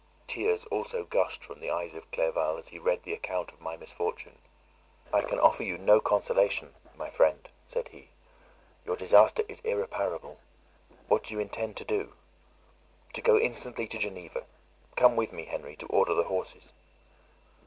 Tears also gushed from the eyes of Clerval, as he read the account of my misfortune. "I can offer you no consolation, my friend," said he; "your disaster is irreparable. What do you intend to do?" "To go instantly to Geneva: come with me, Henry, to order the horses."